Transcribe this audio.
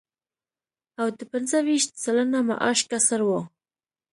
او د پنځه ویشت سلنه معاش کسر و